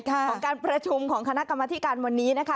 ของการประชุมของคณะกรรมธิการวันนี้นะคะ